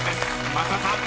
増田さん］